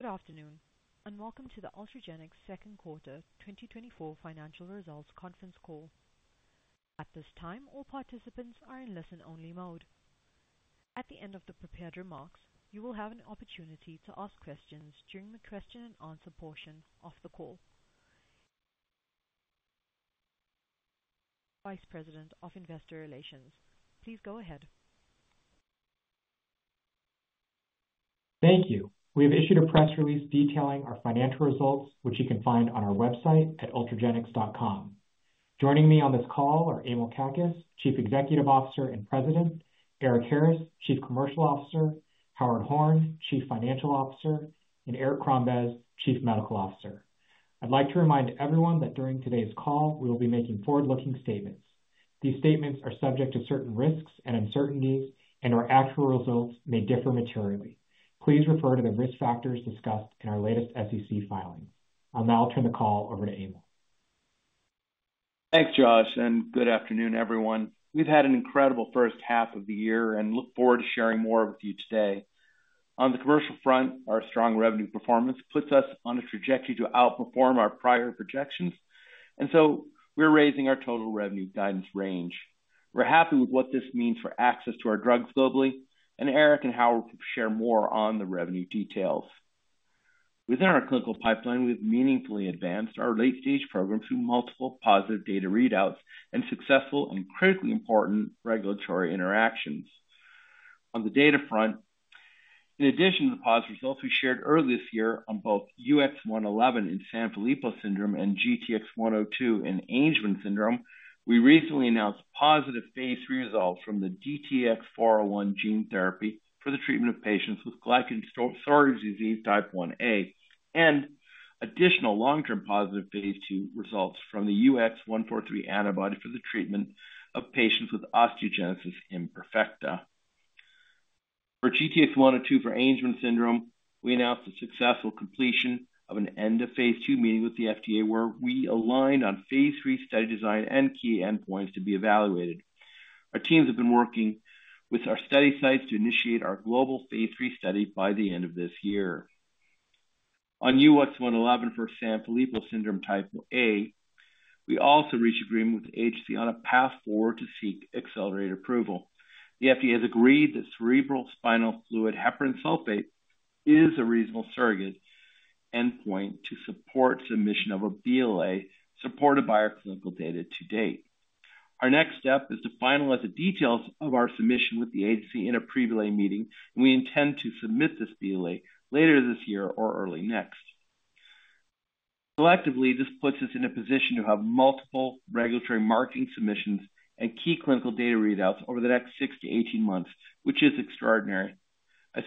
Good afternoon, and welcome to the Ultragenyx Second Quarter 2024 Financial Results Conference Call. At this time, all participants are in listen-only mode. At the end of the prepared remarks, you will have an opportunity to ask questions during the question and answer portion of the call. Vice President of Investor Relations, please go ahead. Thank you. We have issued a press release detailing our financial results, which you can find on our website at ultragenyx.com. Joining me on this call are Emil Kakkis, Chief Executive Officer and President, Erik Harris, Chief Commercial Officer, Howard Horn, Chief Financial Officer, and Eric Crombez, Chief Medical Officer. I'd like to remind everyone that during today's call, we will be making forward-looking statements. These statements are subject to certain risks and uncertainties, and our actual results may differ materially. Please refer to the risk factors discussed in our latest SEC filing. I'll now turn the call over to Emil. Thanks, Josh, and good afternoon, everyone. We've had an incredible first half of the year and look forward to sharing more with you today. On the commercial front, our strong revenue performance puts us on a trajectory to outperform our prior projections, and so we're raising our total revenue guidance range. We're happy with what this means for access to our drugs globally, and Eric and Howard will share more on the revenue details. Within our clinical pipeline, we've meaningfully advanced our late-stage program through multiple positive data readouts and successful and critically important regulatory interactions. On the data front, in addition to the positive results we shared early this year on both UX111 in Sanfilippo syndrome and GTX102 in Angelman syndrome, we recently announced positive phase III results from the DTX401 gene therapy for the treatment of patients with Glycogen Storage Disease Type Ia, and additional long-term positive phase II results from the UX143 antibody for the treatment of patients with osteogenesis imperfecta. For GTX102 for Angelman syndrome, we announced the successful completion of an end-of-phase II meeting with the FDA, where we aligned on phase III study design and key endpoints to be evaluated. Our teams have been working with our study sites to initiate our global phase III study by the end of this year. On UX111 for Sanfilippo syndrome Type A, we also reached agreement with the agency on a path forward to seek accelerated approval. The FDA has agreed that cerebrospinal fluid heparan sulfate is a reasonable surrogate endpoint to support submission of a BLA supported by our clinical data to date. Our next step is to finalize the details of our submission with the agency in a pre-BLA meeting, and we intend to submit this BLA later this year or early next. Collectively, this puts us in a position to have multiple regulatory marketing submissions and key clinical data readouts over the next six to 18 months, which is extraordinary. I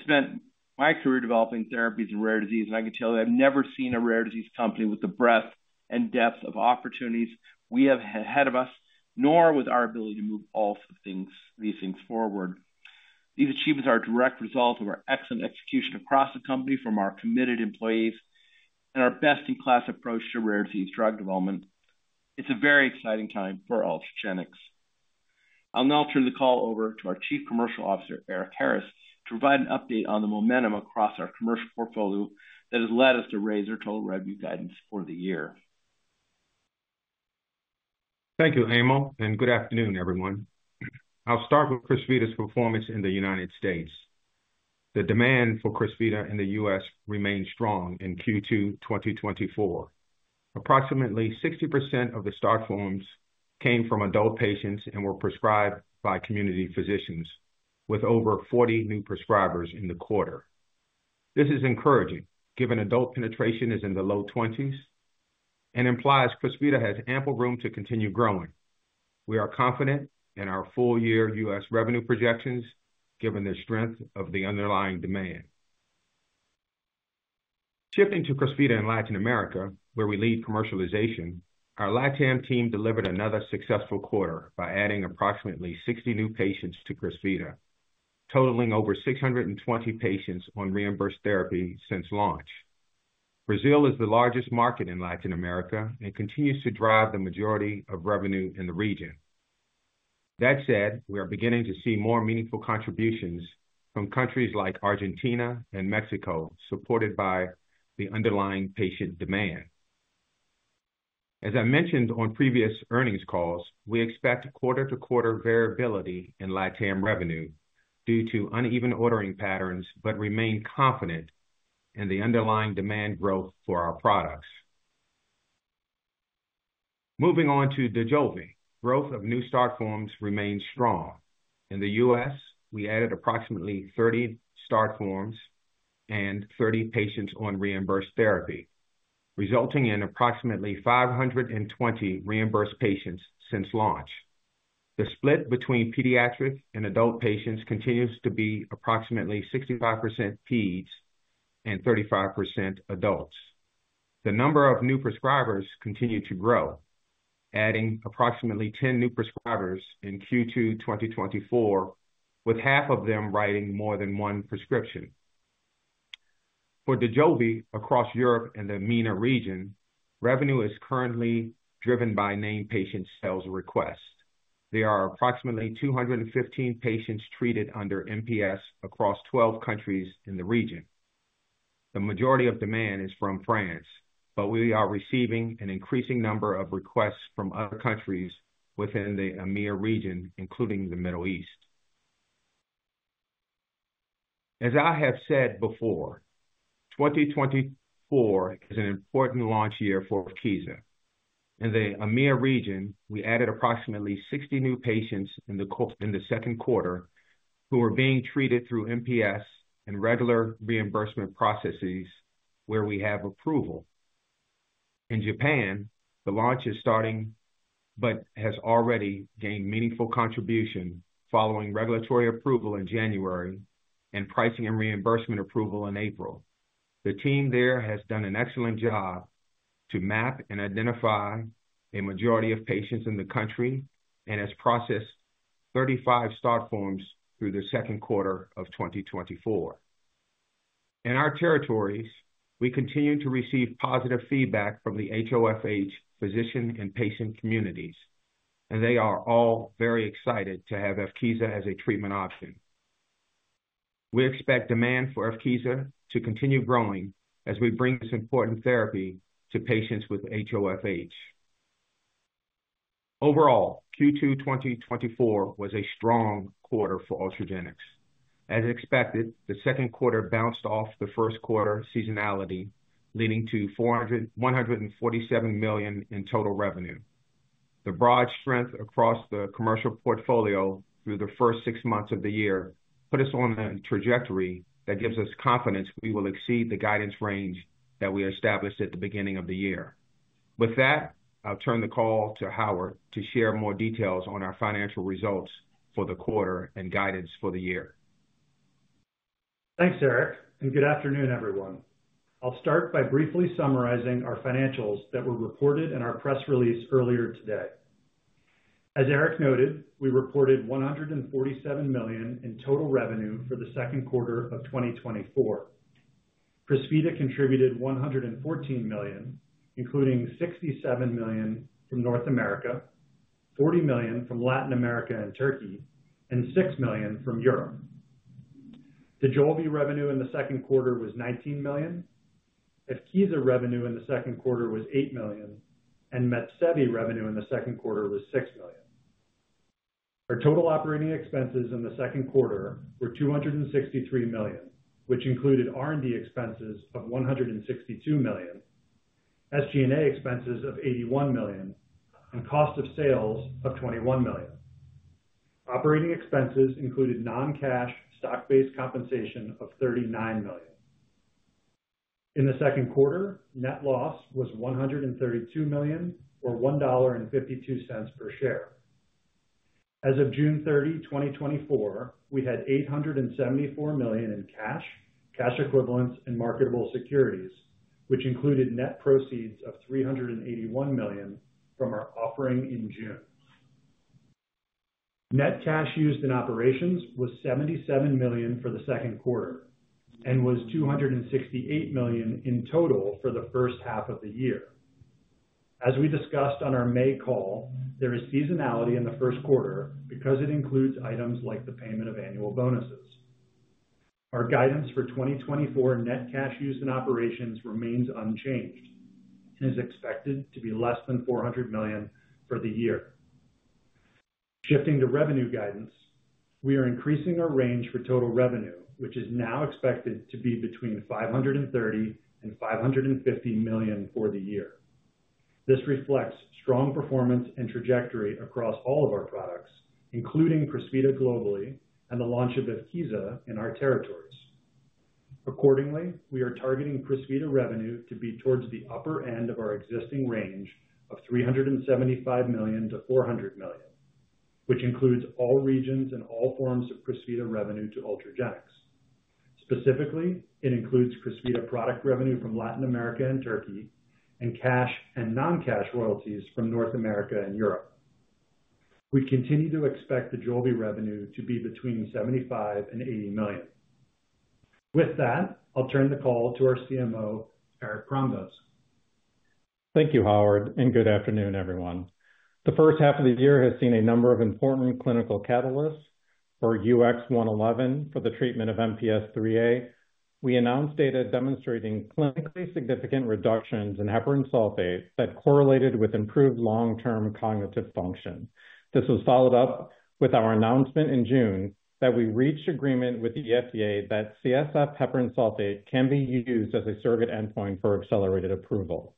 spent my career developing therapies in rare disease, and I can tell you I've never seen a rare disease company with the breadth and depth of opportunities we have ahead of us, nor with our ability to move all things, these things forward. These achievements are a direct result of our excellent execution across the company, from our committed employees and our best-in-class approach to rare disease drug development. It's a very exciting time for Ultragenyx. I'll now turn the call over to our Chief Commercial Officer, Erik Harris, to provide an update on the momentum across our commercial portfolio that has led us to raise our total revenue guidance for the year. Thank you, Emil, and good afternoon, everyone. I'll start with Crysvita's performance in the United States. The demand for Crysvita in the U.S. remained strong in Q2, 2024. Approximately 60% of the start forms came from adult patients and were prescribed by community physicians, with over 40 new prescribers in the quarter. This is encouraging, given adult penetration is in the low 20s and implies Crysvita has ample room to continue growing. We are confident in our full-year U.S. revenue projections, given the strength of the underlying demand. Shifting to Crysvita in Latin America, where we lead commercialization, our LatAm team delivered another successful quarter by adding approximately 60 new patients to Crysvita, totaling over 620 patients on reimbursed therapy since launch. Brazil is the largest market in Latin America and continues to drive the majority of revenue in the region. That said, we are beginning to see more meaningful contributions from countries like Argentina and Mexico, supported by the underlying patient demand. As I mentioned on previous earnings calls, we expect quarter-to-quarter variability in LatAm revenue due to uneven ordering patterns, but remain confident in the underlying demand growth for our products. Moving on to Dojolvi. Growth of new start forms remains strong. In the U.S., we added approximately 30 start forms and 30 patients on reimbursed therapy, resulting in approximately 520 reimbursed patients since launch. The split between pediatric and adult patients continues to be approximately 65% peds and 35% adults. The number of new prescribers continued to grow, adding approximately 10 new prescribers in Q2 2024, with half of them writing more than one prescription. For Dojolvi across Europe and the MENA region, revenue is currently driven by named patient sales requests.... There are approximately 215 patients treated under NPS across 12 countries in the region. The majority of demand is from France, but we are receiving an increasing number of requests from other countries within the EMEA region, including the Middle East. As I have said before, 2024 is an important launch year for Evkeeza. In the EMEA region, we added approximately 60 new patients in the second quarter, who are being treated through NPS and regular reimbursement processes where we have approval. In Japan, the launch is starting, but has already gained meaningful contribution following regulatory approval in January and pricing and reimbursement approval in April. The team there has done an excellent job to map and identify a majority of patients in the country and has processed 35 start forms through the second quarter of 2024. In our territories, we continue to receive positive feedback from the HoFH physician and patient communities, and they are all very excited to have Evkeeza as a treatment option. We expect demand for Evkeeza to continue growing as we bring this important therapy to patients with HoFH. Overall, Q2 2024 was a strong quarter for Ultragenyx. As expected, the second quarter bounced off the first quarter seasonality, leading to $147 million in total revenue. The broad strength across the commercial portfolio through the first six months of the year put us on a trajectory that gives us confidence we will exceed the guidance range that we established at the beginning of the year. With that, I'll turn the call to Howard to share more details on our financial results for the quarter and guidance for the year. Thanks, Eric, and good afternoon, everyone. I'll start by briefly summarizing our financials that were reported in our press release earlier today. As Eric noted, we reported $147 million in total revenue for the second quarter of 2024. Crysvita contributed $114 million, including $67 million from North America, $40 million from Latin America and Turkey, and $6 million from Europe. Dojolvi revenue in the second quarter was $19 million. Evkeeza revenue in the second quarter was $8 million, and Mepsevii revenue in the second quarter was $6 million. Our total operating expenses in the second quarter were $263 million, which included R&D expenses of $162 million, SG&A expenses of $81 million, and cost of sales of $21 million. Operating expenses included non-cash stock-based compensation of $39 million. In the second quarter, net loss was $132 million, or $1.52 per share. As of June 30, 2024, we had $874 million in cash, cash equivalents, and marketable securities, which included net proceeds of $381 million from our offering in June. Net cash used in operations was $77 million for the second quarter and was $268 million in total for the first half of the year. As we discussed on our May call, there is seasonality in the first quarter because it includes items like the payment of annual bonuses. Our guidance for 2024 net cash used in operations remains unchanged and is expected to be less than $400 million for the year. Shifting to revenue guidance, we are increasing our range for total revenue, which is now expected to be between $530 million and $550 million for the year. This reflects strong performance and trajectory across all of our products, including Crysvita globally and the launch of Evkeeza in our territories. Accordingly, we are targeting Crysvita revenue to be towards the upper end of our existing range of $375 million-$400 million, which includes all regions and all forms of Crysvita revenue to Ultragenyx. Specifically, it includes Crysvita product revenue from Latin America and Turkey, and cash and non-cash royalties from North America and Europe. We continue to expect Dojolvi revenue to be between $75 million and $80 million. With that, I'll turn the call to our CMO, Eric Crombez. Thank you, Howard, and good afternoon, everyone. The first half of the year has seen a number of important clinical catalysts for UX111 for the treatment of MPS IIIA. We announced data demonstrating clinically significant reductions in heparan sulfate that correlated with improved long-term cognitive function. This was followed up with our announcement in June that we reached agreement with the FDA that CSF heparan sulfate can be used as a surrogate endpoint for accelerated approval.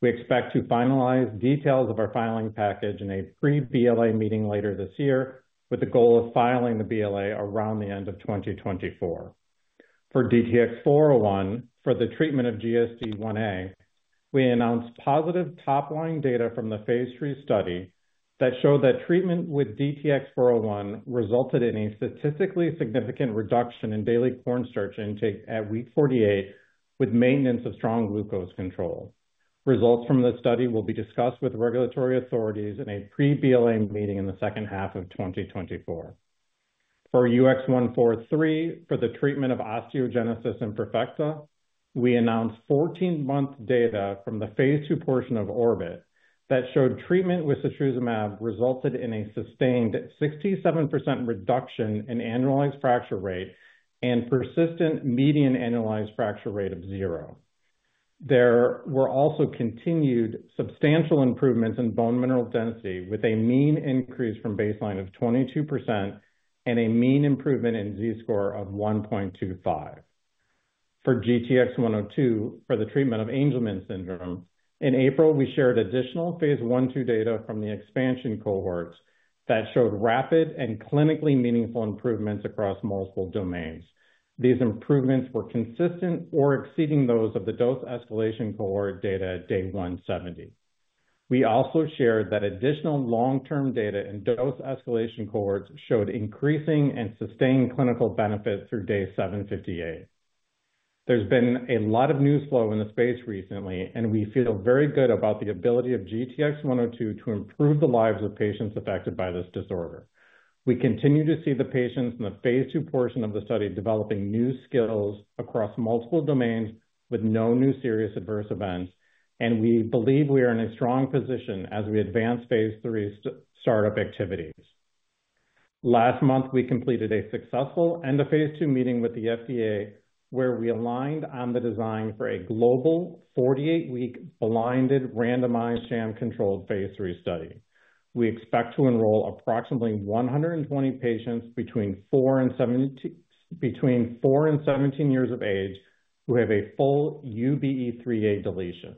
We expect to finalize details of our filing package in a pre-BLA meeting later this year, with the goal of filing the BLA around the end of 2024. For DTX401, for the treatment of GSD Ia, we announced positive top-line data from the phase III study that showed that treatment with DTX401 resulted in a statistically significant reduction in daily cornstarch intake at week 48, with maintenance of strong glucose control. Results from this study will be discussed with regulatory authorities in a pre-BLA meeting in the second half of 2024. For UX143, for the treatment of osteogenesis imperfecta, we announced 14-month data from the phase II portion of Orbit that showed treatment with resulted in a sustained 67% reduction in annualized fracture rate and persistent median annualized fracture rate of zero. There were also continued substantial improvements in bone mineral density, with a mean increase from baseline of 22% and a mean improvement in Z-score of 1.25. For GTX-102, for the treatment of Angelman syndrome, in April, we shared additional phase I/II data from the expansion cohorts that showed rapid and clinically meaningful improvements across multiple domains. These improvements were consistent or exceeding those of the dose escalation cohort data at Day 170. We also shared that additional long-term data in dose escalation cohorts showed increasing and sustained clinical benefit through Day 758. There's been a lot of news flow in the space recently, and we feel very good about the ability of GTX-102 to improve the lives of patients affected by this disorder. We continue to see the patients in the phase II portion of the study developing new skills across multiple domains with no new serious adverse events, and we believe we are in a strong position as we advance phase III startup activities. Last month, we completed a successful end-of-phase II meeting with the FDA, where we aligned on the design for a global 48-week, blinded, randomized, sham-controlled phase III study. We expect to enroll approximately 120 patients between 4 and 17 years of age, who have a full UBE3A deletion.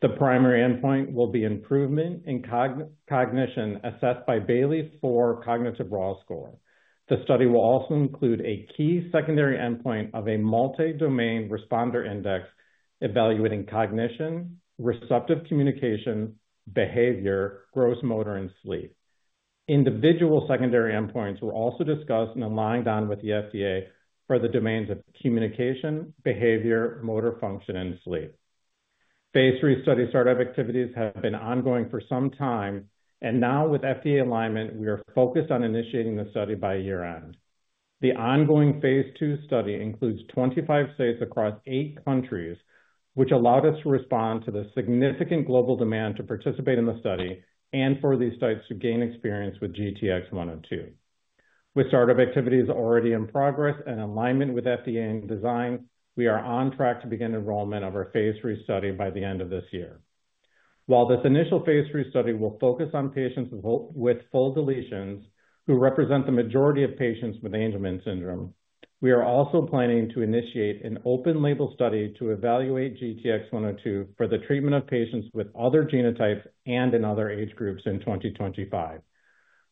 The primary endpoint will be improvement in cognition, assessed by Bayley-4 cognitive raw score. The study will also include a key secondary endpoint of a multi-domain responder index, evaluating cognition, receptive communication, behavior, gross motor, and sleep. Individual secondary endpoints were also discussed and aligned on with the FDA for the domains of communication, behavior, motor function, and sleep. phase III study startup activities have been ongoing for some time, and now with FDA alignment, we are focused on initiating the study by year-end. The ongoing phase II study includes 25 sites across 8 countries, which allowed us to respond to the significant global demand to participate in the study and for these sites to gain experience with GTX-102. With startup activities already in progress and alignment with FDA in design, we are on track to begin enrollment of our phase III study by the end of this year. While this initial phase III study will focus on patients with full deletions, who represent the majority of patients with Angelman syndrome, we are also planning to initiate an open-label study to evaluate GTX-102 for the treatment of patients with other genotypes and in other age groups in 2025.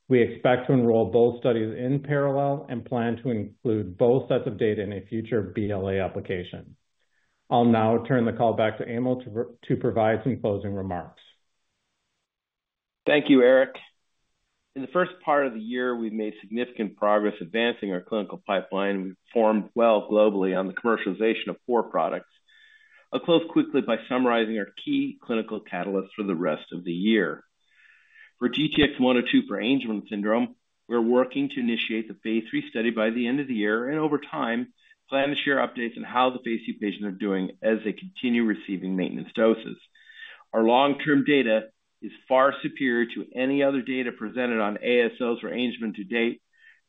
We expect to enroll both studies in parallel and plan to include both sets of data in a future BLA application. I'll now turn the call back to Emil to provide some closing remarks. Thank you, Eric. In the first part of the year, we've made significant progress advancing our clinical pipeline, and we've performed well globally on the commercialization of four products. I'll close quickly by summarizing our key clinical catalysts for the rest of the year. For GTX-102 for Angelman syndrome, we're working to initiate the phase III study by the end of the year, and over time, plan to share updates on how the phase II patients are doing as they continue receiving maintenance doses. Our long-term data is far superior to any other data presented on ASOs or Angelman to date,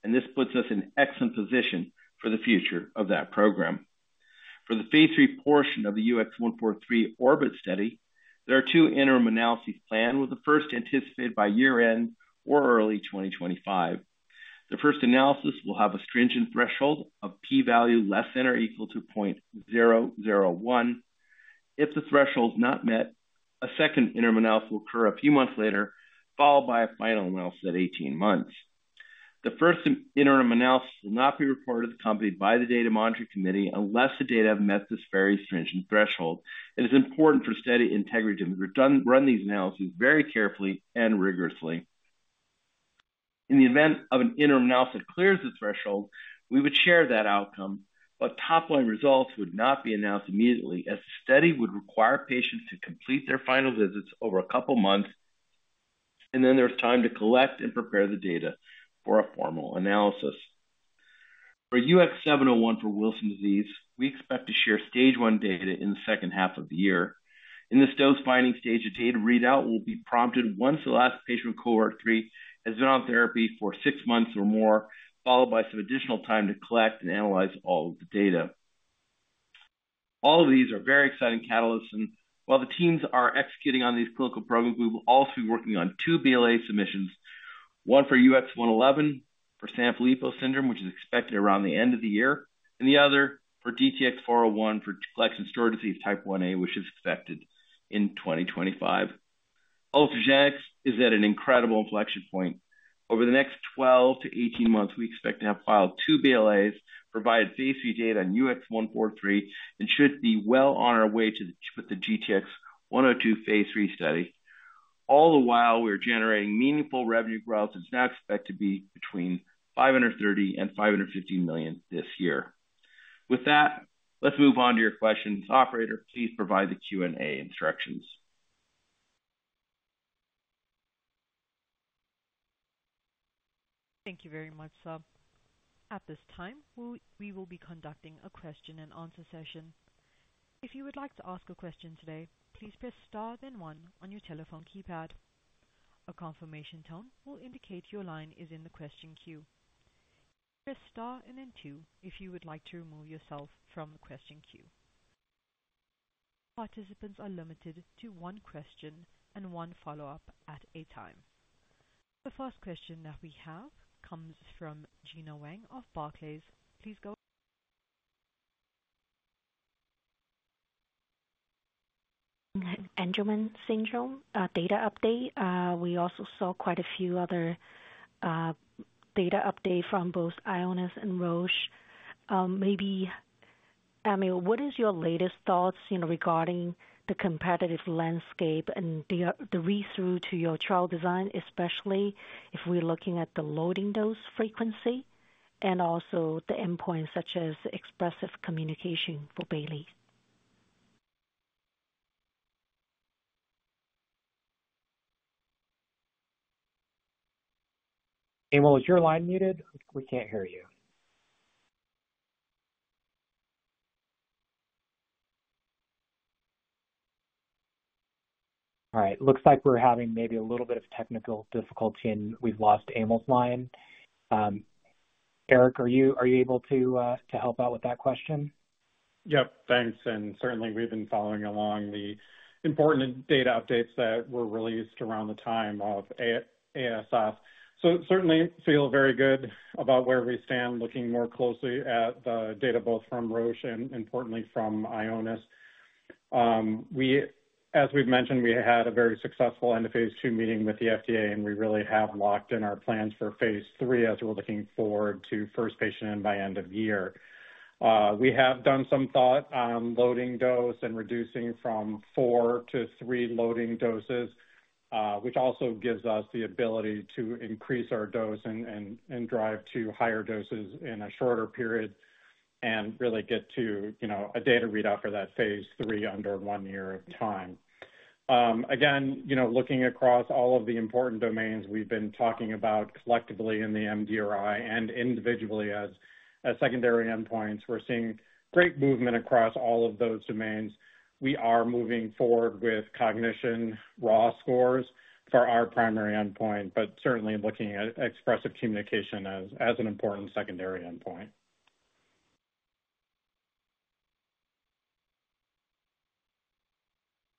and this puts us in excellent position for the future of that program. For the phase III portion of the UX143 ORBIT study, there are two interim analyses planned, with the first anticipated by year-end or early 2025. The first analysis will have a stringent threshold of P value less than or equal to 0.001. If the threshold is not met, a second interim analysis will occur a few months later, followed by a final analysis at 18 months. The first interim analysis will not be reported to the company by the Data Monitoring Committee unless the data have met this very stringent threshold. It is important for study integrity that we run these analyses very carefully and rigorously. In the event of an interim analysis that clears the threshold, we would share that outcome, but top-line results would not be announced immediately, as the study would require patients to complete their final visits over a couple of months, and then there's time to collect and prepare the data for a formal analysis. For UX701 for Wilson disease, we expect to share Stage one data in the second half of the year. In this dose-finding stage, a data readout will be prompted once the last patient in Cohort 3 has been on therapy for six months or more, followed by some additional time to collect and analyze all of the data. All of these are very exciting catalysts, and while the teams are executing on these clinical programs, we will also be working on two BLA submissions, one for UX111 for Sanfilippo syndrome, which is expected around the end of the year, and the other for DTX401 for glycogen storage disease type Ia, which is expected in 2025. Ultragenyx is at an incredible inflection point. Over the next 12-18 months, we expect to have filed 2 BLAs, provide phase III data on UX143, and should be well on our way with the GTX-102 phase III study. All the while, we are generating meaningful revenue growth, which is now expected to be between $530 million and $550 million this year. With that, let's move on to your questions. Operator, please provide the Q&A instructions. Thank you very much, sir. At this time, we will be conducting a question and answer session. If you would like to ask a question today, please press star then one on your telephone keypad. A confirmation tone will indicate your line is in the question queue. Press star and then two, if you would like to remove yourself from the question queue. Participants are limited to one question and one follow-up at a time. The first question that we have comes from Gena Wang of Barclays. Please go. ... Angelman syndrome, data update. We also saw quite a few other, data update from both Ionis and Roche. Maybe, I mean, what is your latest thoughts, you know, regarding the competitive landscape and the, the read-through to your trial design, especially if we're looking at the loading dose frequency and also the endpoints, such as expressive communication for Bayley? Emil, is your line muted? We can't hear you. All right, looks like we're having maybe a little bit of technical difficulty, and we've lost Emil's line. Eric, are you able to to help out with that question? Yep, thanks. Certainly, we've been following along the important data updates that were released around the time of ASO. So certainly feel very good about where we stand, looking more closely at the data, both from Roche and importantly, from Ionis. We, as we've mentioned, we had a very successful end of phase two meeting with the FDA, and we really have locked in our plans for phase three as we're looking forward to first patient and by end of year. We have done some thought on loading dose and reducing from four to three loading doses, which also gives us the ability to increase our dose and drive to higher doses in a shorter period and really get to, you know, a data readout for that phase three under one year of time. Again, you know, looking across all of the important domains we've been talking about collectively in the MDRI and individually as secondary endpoints, we're seeing great movement across all of those domains. We are moving forward with cognition raw scores for our primary endpoint, but certainly looking at expressive communication as an important secondary endpoint.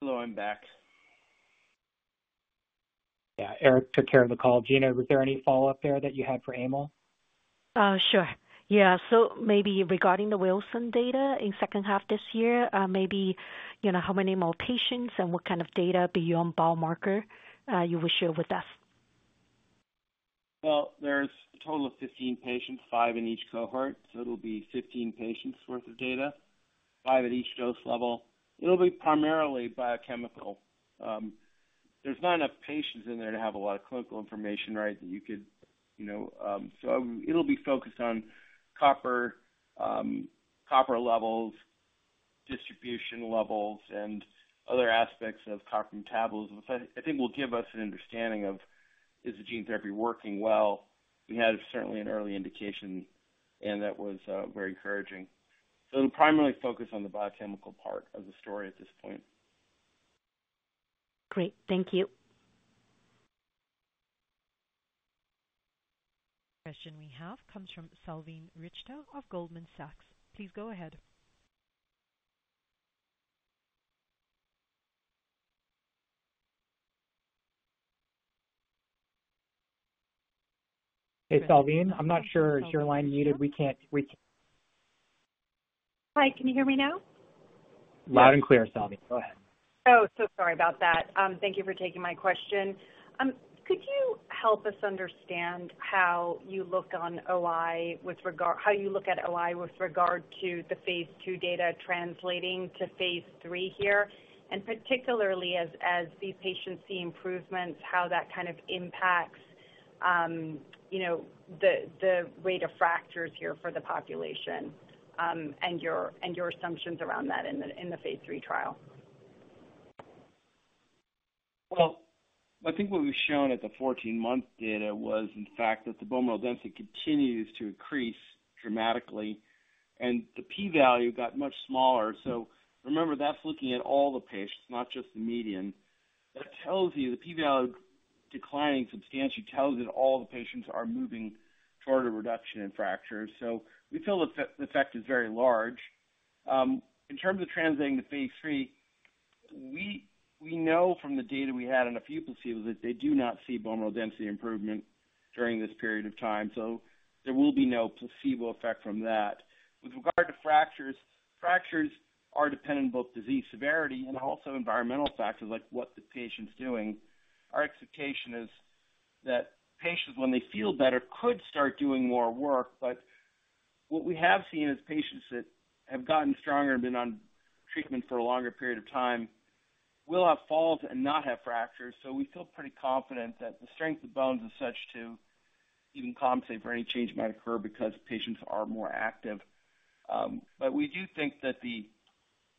Hello, I'm back. Yeah, Eric took care of the call. Gina, was there any follow-up there that you had for Emil? Sure. Yeah. So maybe regarding the Wilson data in second half this year, maybe, you know, how many more patients and what kind of data beyond biomarker you will share with us? Well, there's a total of 15 patients, five in each cohort, so it'll be 15 patients worth of data, five at each dose level. It'll be primarily biochemical. There's not enough patients in there to have a lot of clinical information, right, that you could... You know, so it'll be focused on copper, copper levels, distribution levels, and other aspects of copper metabolism. I think will give us an understanding of, is the gene therapy working well? We had certainly an early indication, and that was very encouraging. So it'll primarily focus on the biochemical part of the story at this point. Great. Thank you. Question we have comes from Salveen Richter of Goldman Sachs. Please go ahead. Hey, Salveen, I'm not sure. Is your line muted? We can't, we can- Hi, can you hear me now? Loud and clear, Salveen. Go ahead. Oh, so sorry about that. Thank you for taking my question. Could you help us understand how you look at OI with regard to the phase two data translating to phase three here, and particularly as these patients see improvements, how that kind of impacts, you know, the rate of fractures here for the population, and your assumptions around that in the phase three trial? Well, I think what we've shown at the 14-month data was, in fact, that the bone mineral density continues to increase dramatically, and the p-value got much smaller. So remember, that's looking at all the patients, not just the median. That tells you the p-value declining substantially tells you that all the patients are moving toward a reduction in fractures. So we feel the effect, the effect is very large. In terms of translating to phase III, we know from the data we had in a few placebos that they do not see bone mineral density improvement during this period of time, so there will be no placebo effect from that. With regard to fractures, fractures are dependent on both disease severity and also environmental factors, like what the patient's doing. Our expectation is that patients, when they feel better, could start doing more work, but what we have seen is patients that have gotten stronger and been on treatment for a longer period of time will have falls and not have fractures. So we feel pretty confident that the strength of bones is such to even compensate for any change might occur because patients are more active. But we do think that the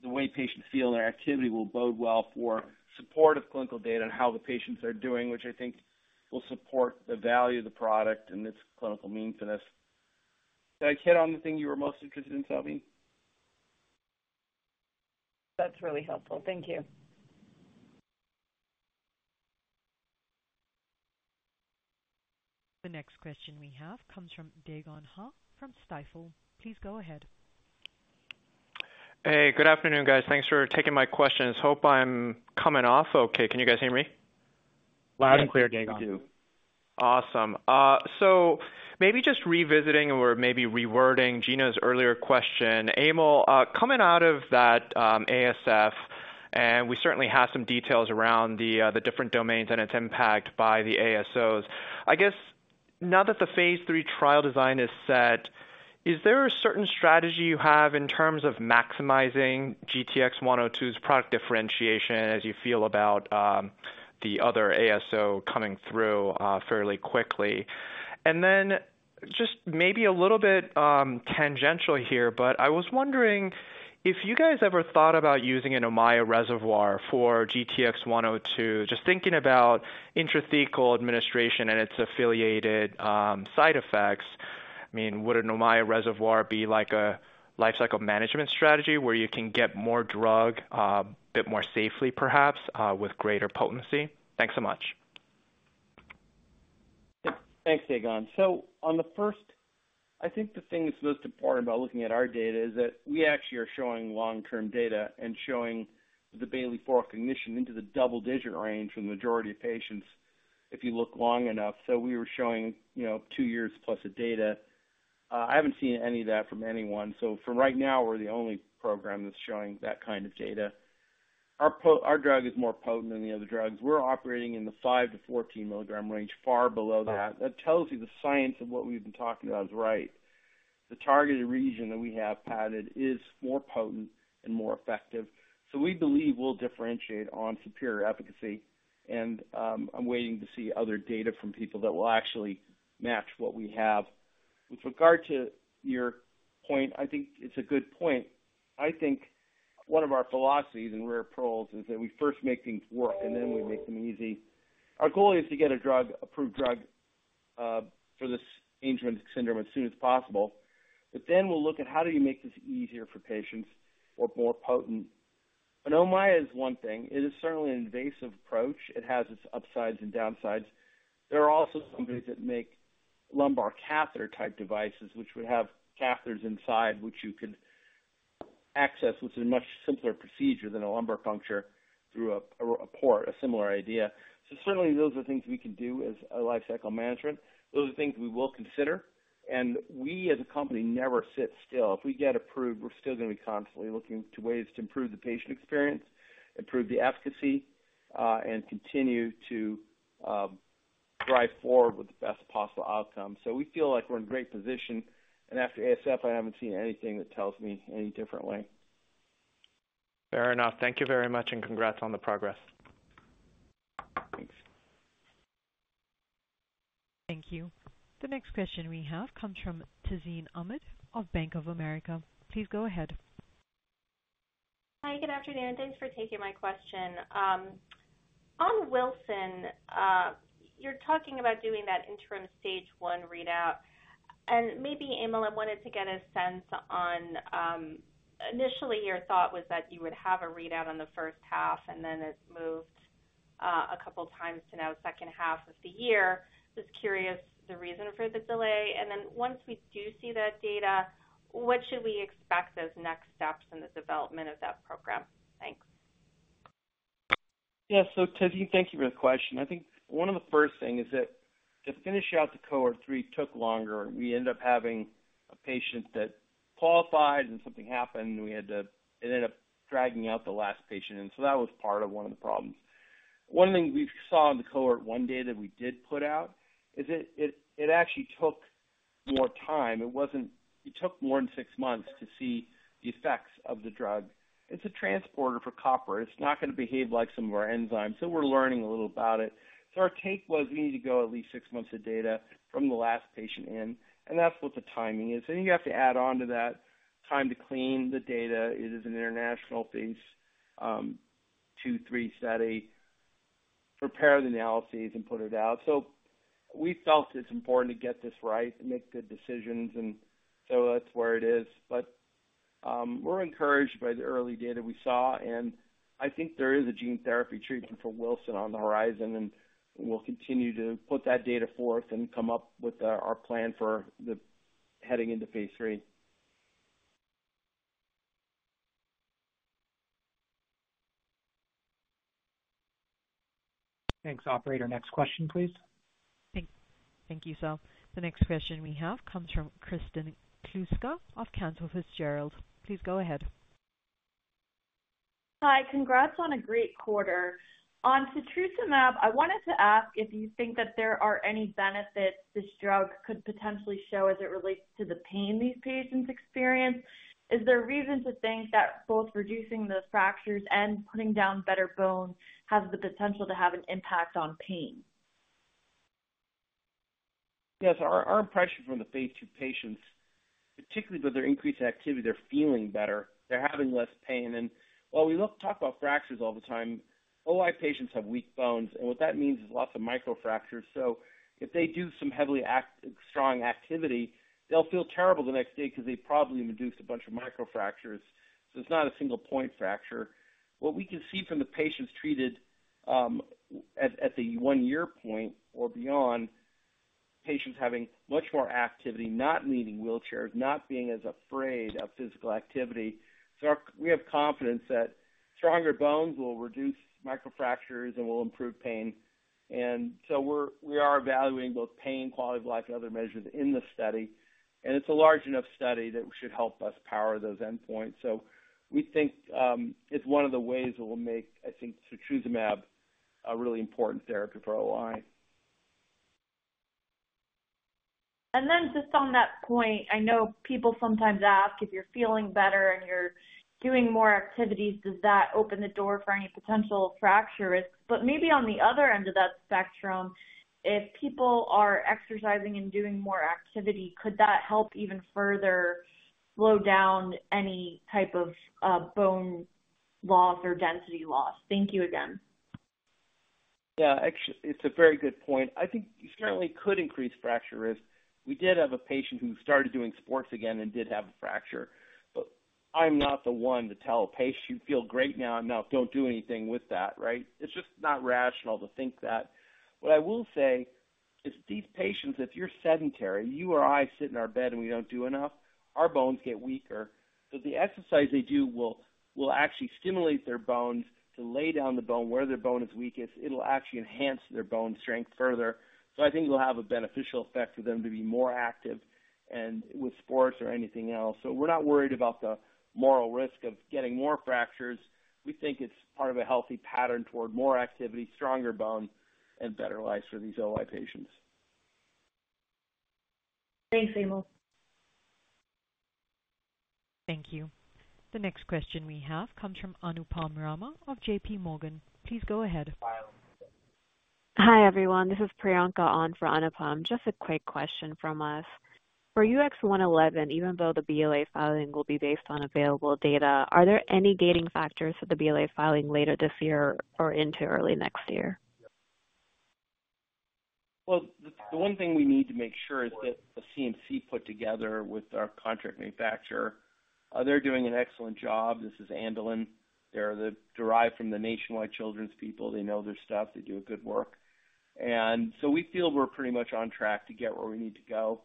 way patients feel their activity will bode well for supportive clinical data and how the patients are doing, which I think will support the value of the product and its clinical meaningfulness. Did I hit on the thing you were most interested in, Salveen? That's really helpful. Thank you. The next question we have comes from Dae Gon Ha from Stifel. Please go ahead. Hey, good afternoon, guys. Thanks for taking my questions. Hope I'm coming off okay. Can you guys hear me? Loud and clear, Dae Gon. We do. Awesome. So maybe just revisiting or maybe rewording Gena's earlier question, Emil, coming out of that, ASF, and we certainly have some details around the, the different domains and its impact by the ASOs. I guess, now that the phase three trial design is set, is there a certain strategy you have in terms of maximizing GTX-102's product differentiation as you feel about, the other ASO coming through, fairly quickly? And then just maybe a little bit, tangential here, but I was wondering if you guys ever thought about using an Ommaya reservoir for GTX-102, just thinking about intrathecal administration and its affiliated, side effects. I mean, would an Ommaya reservoir be like a lifecycle management strategy where you can get more drug, a bit more safely, perhaps, with greater potency? Thanks so much. Thanks, Dae Gon. So on the first, I think the thing that's most important about looking at our data is that we actually are showing long-term data and showing the Bayley-IV cognition into the double digit range for the majority of patients, if you look long enough. So we were showing, you know, two years plus of data. I haven't seen any of that from anyone. So for right now, we're the only program that's showing that kind of data. Our drug is more potent than the other drugs. We're operating in the 5-14 milligram range, far below that. That tells you the science of what we've been talking about is right. The targeted region that we have padded is more potent and more effective, so we believe we'll differentiate on superior efficacy. I'm waiting to see other data from people that will actually match what we have. With regard to your point, I think it's a good point. I think one of our philosophies in Rare Pearls is that we first make things work, and then we make them easy. Our goal is to get a drug, approved drug, for this Angelman syndrome as soon as possible. But then we'll look at how do you make this easier for patients or more potent. An Ommaya is one thing. It is certainly an invasive approach. It has its upsides and downsides. There are also some companies that make lumbar catheter-type devices, which would have catheters inside, which you could access, which is a much simpler procedure than a lumbar puncture through a port, a similar idea. So certainly those are things we can do as a lifecycle management. Those are things we will consider, and we as a company never sit still. If we get approved, we're still gonna be constantly looking to ways to improve the patient experience, improve the efficacy, and continue to drive forward with the best possible outcome. So we feel like we're in great position. And after ASF, I haven't seen anything that tells me any differently. Fair enough. Thank you very much, and congrats on the progress. Thanks. Thank you. The next question we have comes from Tazeen Ahmad of Bank of America. Please go ahead. Hi, good afternoon. Thanks for taking my question. On Wilson, you're talking about doing that interim stage one readout, and maybe, Emil, I wanted to get a sense on, initially, your thought was that you would have a readout on the first half, and then it's moved, a couple of times to now second half of the year. Just curious, the reason for the delay. And then once we do see that data, what should we expect as next steps in the development of that program? Thanks. Yeah. So, Tazeen, thank you for the question. I think one of the first things is that to finish out the cohort 3 took longer. We ended up having a patient that qualified and something happened, and we had to... It ended up dragging out the last patient, and so that was part of one of the problems. One thing we saw in the cohort 1 data that we did put out is that it actually took more time. It took more than six months to see the effects of the drug. It's a transporter for copper. It's not gonna behave like some of our enzymes, so we're learning a little about it. So our take was we need to go at least 6 months of data from the last patient in, and that's what the timing is. You have to add on to that time to clean the data. It is an international phase II/III study, prepare the analyses and put it out. So we felt it's important to get this right and make good decisions, and so that's where it is. But, we're encouraged by the early data we saw, and I think there is a gene therapy treatment for Wilson on the horizon, and we'll continue to put that data forth and come up with our, our plan for the... Heading into phase III. Thanks, operator. Next question, please. Thank you. So the next question we have comes from Kristen Kluska of Cantor Fitzgerald. Please go ahead. Hi, congrats on a great quarter. On setrusumab, I wanted to ask if you think that there are any benefits this drug could potentially show as it relates to the pain these patients experience. Is there reason to think that both reducing those fractures and putting down better bones has the potential to have an impact on pain?... Yes, our impression from the phase II patients, particularly with their increased activity, they're feeling better, they're having less pain. And while we love to talk about fractures all the time, OI patients have weak bones, and what that means is lots of microfractures. So if they do some strong activity, they'll feel terrible the next day because they've probably induced a bunch of microfractures. So it's not a single point fracture. What we can see from the patients treated at the one-year point or beyond, patients having much more activity, not needing wheelchairs, not being as afraid of physical activity. So we have confidence that stronger bones will reduce microfractures and will improve pain. We are evaluating both pain, quality of life and other measures in the study, and it's a large enough study that should help us power those endpoints. So we think, it's one of the ways that we'll make, I think, setrusumab a really important therapy for OI. And then just on that point, I know people sometimes ask if you're feeling better and you're doing more activities, does that open the door for any potential fracture risk? But maybe on the other end of that spectrum, if people are exercising and doing more activity, could that help even further slow down any type of bone loss or density loss? Thank you again. Yeah, actually, it's a very good point. I think you certainly could increase fracture risk. We did have a patient who started doing sports again and did have a fracture, but I'm not the one to tell a patient, "You feel great now. Now, don't do anything with that," right? It's just not rational to think that. What I will say is, these patients, if you're sedentary, you or I sit in our bed and we don't do enough, our bones get weaker. So the exercise they do will, will actually stimulate their bones to lay down the bone. Where their bone is weakest, it'll actually enhance their bone strength further. So I think it'll have a beneficial effect for them to be more active and with sports or anything else. So we're not worried about the overall risk of getting more fractures. We think it's part of a healthy pattern toward more activity, stronger bones, and better lives for these OI patients. Thanks, Emil. Thank you. The next question we have comes from Anupam Rama of JP Morgan. Please go ahead. Hi, everyone. This is Priyanka on for Anupam. Just a quick question from us. For UX111, even though the BLA filing will be based on available data, are there any gating factors for the BLA filing later this year or into early next year? Well, the one thing we need to make sure is that the CMC put together with our contract manufacturer, they're doing an excellent job. This is Andelyn. They're derived from the Nationwide Children's people. They know their stuff. They do a good work. And so we feel we're pretty much on track to get where we need to go.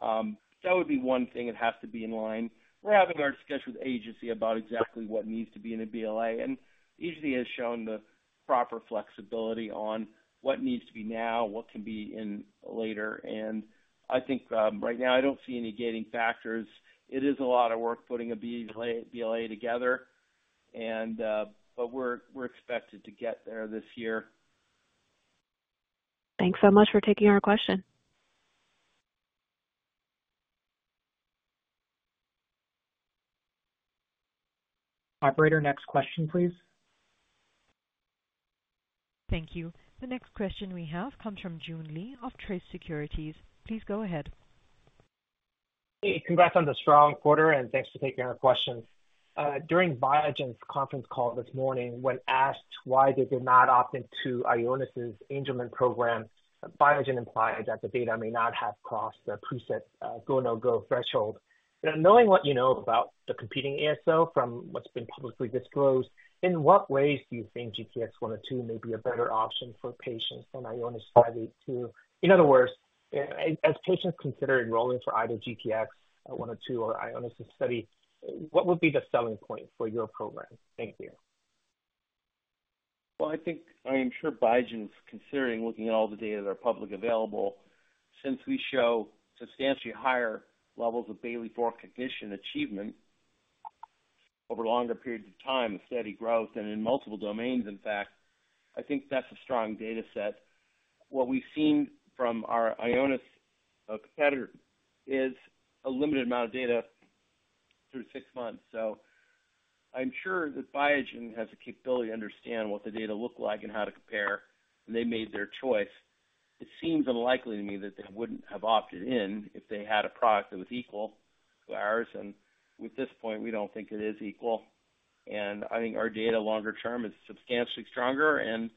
That would be one thing that has to be in line. We're having our discussion with the agency about exactly what needs to be in a BLA, and the agency has shown the proper flexibility on what needs to be now, what can be in later. And I think, right now, I don't see any gating factors. It is a lot of work putting a BLA together and, but we're expected to get there this year. Thanks so much for taking our question. Operator, next question, please. Thank you. The next question we have comes from Joon Lee of Truist Securities. Please go ahead. Hey, congrats on the strong quarter, and thanks for taking our question. During Biogen's conference call this morning, when asked why they did not opt into Ionis' Angelman program, Biogen implied that the data may not have crossed the preset go, no-go threshold. Knowing what you know about the competing ASO from what's been publicly disclosed, in what ways do you think GTX-102 may be a better option for patients than Ionis study two? In other words, as patients consider enrolling for either GTX-102 or Ionis study, what would be the selling point for your program? Thank you. Well, I think I am sure Biogen's considering looking at all the data that are publicly available since we show substantially higher levels of Bayley-IV condition achievement over longer periods of time and steady growth and in multiple domains. In fact, I think that's a strong data set. What we've seen from our Ionis competitor is a limited amount of data through six months. So I'm sure that Biogen has the capability to understand what the data look like and how to compare, and they made their choice. It seems unlikely to me that they wouldn't have opted in if they had a product that was equal to ours, and with this point, we don't think it is equal. And I think our data, longer term, is substantially stronger, and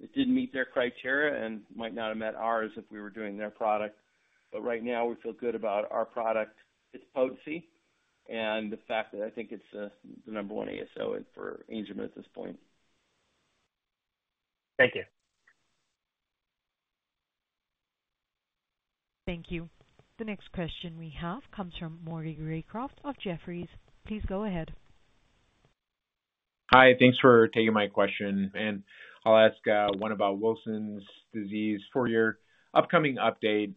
it didn't meet their criteria and might not have met ours if we were doing their product. But right now, we feel good about our product, its potency, and the fact that I think it's the number one ASO for Angelman at this point. Thank you. Thank you. The next question we have comes from Maury Raycroft of Jefferies. Please go ahead. Hi, thanks for taking my question, and I'll ask one about Wilson's disease. For your upcoming update,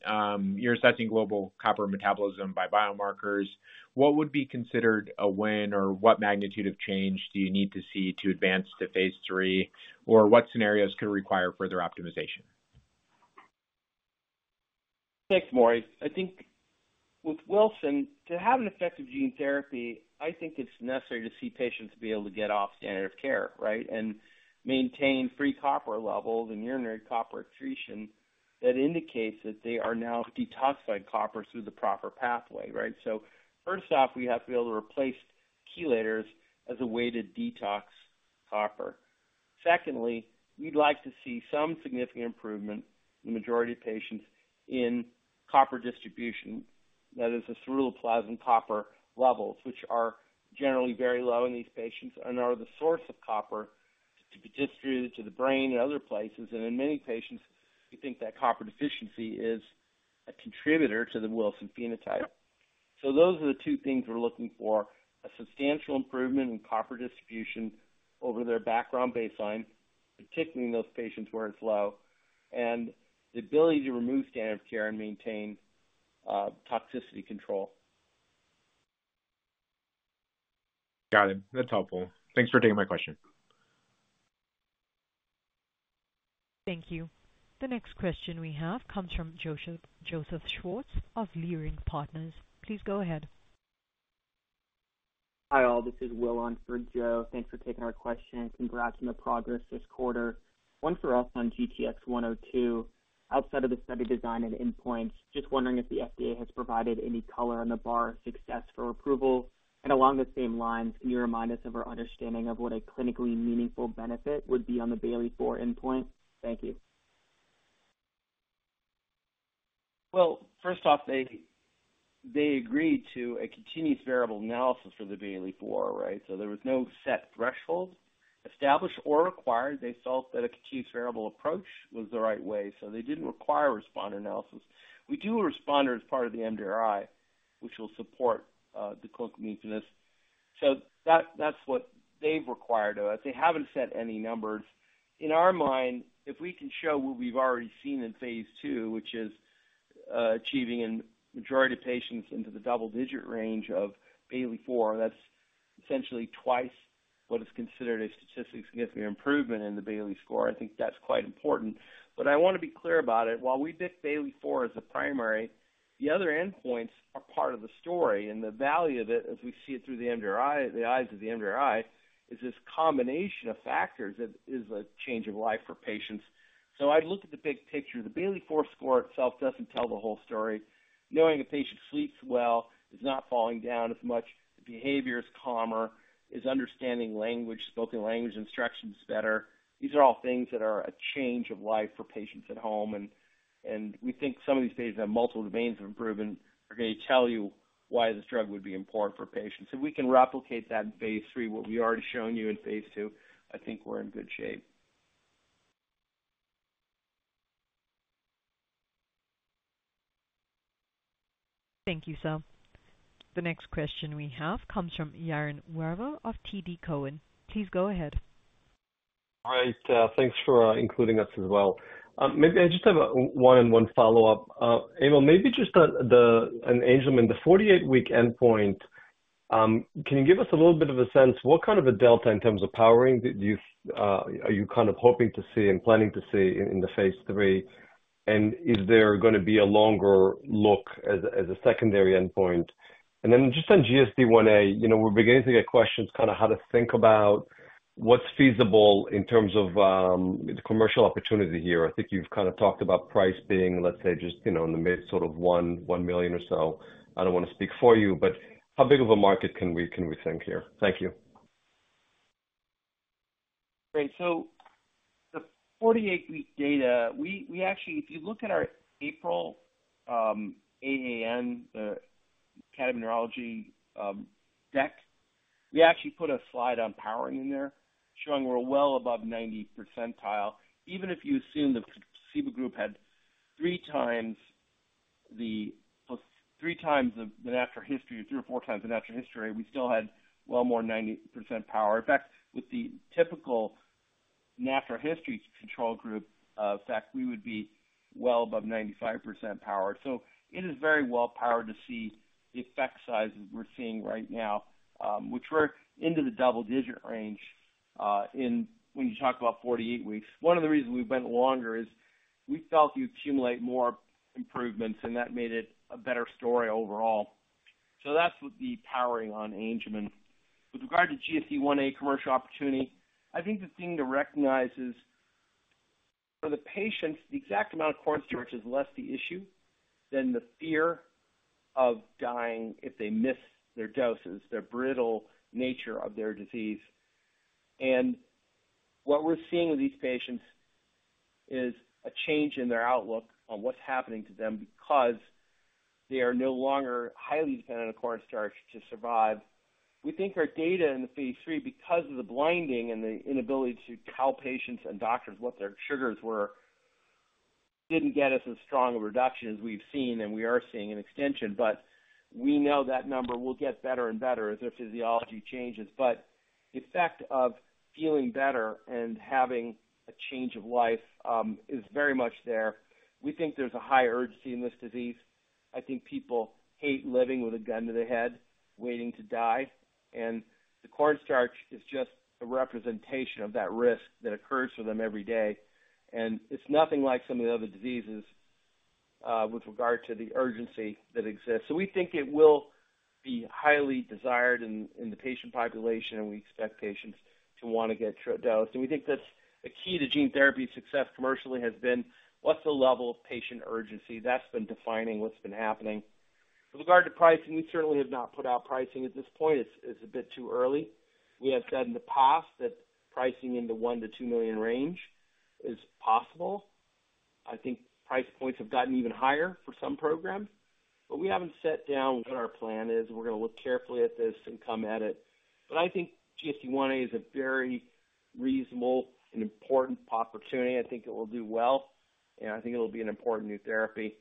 you're assessing global copper metabolism by biomarkers. What would be considered a win or what magnitude of change do you need to see to advance to phase III, or what scenarios could require further optimization? Thanks, Maury. With Wilson, to have an effective gene therapy, I think it's necessary to see patients be able to get off standard of care, right? And maintain free copper levels and urinary copper excretion. That indicates that they are now detoxifying copper through the proper pathway, right? So first off, we have to be able to replace chelators as a way to detox copper. Secondly, we'd like to see some significant improvement in the majority of patients in copper distribution. That is, the ceruloplasmin copper levels, which are generally very low in these patients and are the source of copper to be distributed to the brain and other places. And in many patients, we think that copper deficiency is a contributor to the Wilson phenotype. So those are the two things we're looking for. A substantial improvement in copper distribution over their background baseline, particularly in those patients where it's low, and the ability to remove standard of care and maintain toxicity control. Got it. That's helpful. Thanks for taking my question. Thank you. The next question we have comes from Joseph, Joseph Schwartz of Leerink Partners. Please go ahead. Hi, all. This is Will on for Joe. Thanks for taking our question. Congrats on the progress this quarter. One for us on GTX-102. Outside of the study design and endpoints, just wondering if the FDA has provided any color on the bar success for approval. Along the same lines, can you remind us of our understanding of what a clinically meaningful benefit would be on the Bayley-IV endpoint? Thank you. Well, first off, they agreed to a continuous variable analysis for the Bayley-IV, right? So there was no set threshold established or required. They felt that a continuous variable approach was the right way, so they didn't require responder analysis. We do a responder as part of the MDRI, which will support the clinical meaningfulness. So that's what they've required of us. They haven't set any numbers. In our mind, if we can show what we've already seen in phase II, which is achieving in majority of patients into the double-digit range of Bayley-IV, that's essentially twice what is considered a statistically significant improvement in the Bayley score. I think that's quite important. But I want to be clear about it. While we picked Bayley-IV as a primary, the other endpoints are part of the story, and the value of it, as we see it through the MDRI, the eyes of the MDRI, is this combination of factors that is a change of life for patients. I'd look at the big picture. The Bayley-IV score itself doesn't tell the whole story. Knowing a patient sleeps well, is not falling down as much, the behavior is calmer, is understanding language, spoken language instructions better. These are all things that are a change of life for patients at home, and, and we think some of these patients have multiple domains of improvement are going to tell you why this drug would be important for patients. If we can replicate that in phase III, what we've already shown you in phase II, I think we're in good shape. Thank you, sir. The next question we have comes from Yaron Werber of TD Cowen. Please go ahead. Great, thanks for including us as well. Maybe I just have a one-on-one follow-up. Abel, maybe just on Angelman, the 48-week endpoint, can you give us a little bit of a sense what kind of a delta in terms of powering are you kind of hoping to see and planning to see in the phase III? And is there gonna be a longer look as a secondary endpoint? And then just on GSDIa, you know, we're beginning to get questions kind of how to think about what's feasible in terms of the commercial opportunity here. I think you've kind of talked about price being, let's say, just you know, in the mid sort of $1.1 million or so. I don't want to speak for you, but how big of a market can we, can we think here? Thank you. Great. So the 48-week data, we actually, if you look at our April AAN, the Academy of Neurology, deck, we actually put a slide on powering in there, showing we're well above 90th percentile. Even if you assume the placebo group had three times the natural history or three or four times the natural history, we still had well more than 90% power. In fact, with the typical natural history control group, we would be well above 95% power. So it is very well powered to see the effect sizes we're seeing right now, which we're into the double-digit range, in when you talk about 48 weeks. One of the reasons we've been longer is we felt you accumulate more improvements, and that made it a better story overall. So that's with the powering on Angelman. With regard to GSDIa commercial opportunity, I think the thing to recognize is, for the patients, the exact amount of cornstarch is less the issue than the fear of dying if they miss their doses, the brittle nature of their disease. What we're seeing with these patients is a change in their outlook on what's happening to them because they are no longer highly dependent on cornstarch to survive. We think our data in the phase III, because of the blinding and the inability to tell patients and doctors what their sugars were, didn't get us as strong a reduction as we've seen, and we are seeing an extension, but we know that number will get better and better as their physiology changes. The effect of feeling better and having a change of life is very much there. We think there's a high urgency in this disease. I think people hate living with a gun to the head, waiting to die, and the corn starch is just a representation of that risk that occurs for them every day... And it's nothing like some of the other diseases, with regard to the urgency that exists. So we think it will be highly desired in, in the patient population, and we expect patients to want to get dose. And we think that's the key to gene therapy success commercially has been, what's the level of patient urgency? That's been defining what's been happening. With regard to pricing, we certainly have not put out pricing at this point. It's, it's a bit too early. We have said in the past that pricing in the $1 million-$2 million range is possible. I think price points have gotten even higher for some programs, but we haven't sat down what our plan is. We're gonna look carefully at this and come at it. But I think GSDIa is a very reasonable and important opportunity. I think it will do well, and I think it'll be an important new therapy.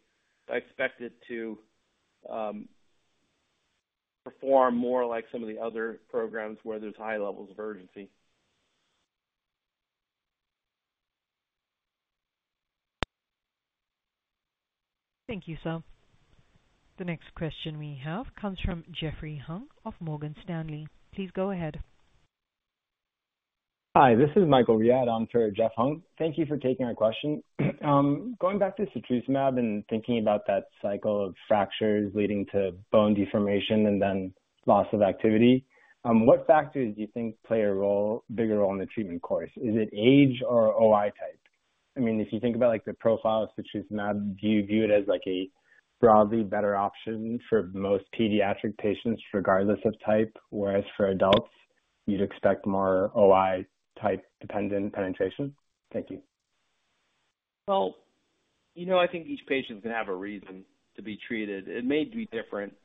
I expect it to perform more like some of the other programs where there's high levels of urgency. Thank you, sir. The next question we have comes from Jeffrey Hung of Morgan Stanley. Please go ahead. Hi, this is Michael Riad. I'm for Jeffrey Hung. Thank you for taking our question. Going back to setrusumab and thinking about that cycle of fractures leading to bone deformation and then loss of activity, what factors do you think play a bigger role in the treatment course? Is it age or OI type? I mean, if you think about, like, the profile of setrusumab, do you view it as, like, a broadly better option for most pediatric patients, regardless of type, whereas for adults, you'd expect more OI type-dependent penetration? Thank you. Well, you know, I think each patient is gonna have a reason to be treated. It may be different.